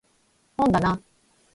本だな